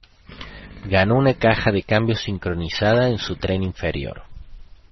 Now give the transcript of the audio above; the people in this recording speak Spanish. Ganó una caja de cambios sincronizada en su tren inferior.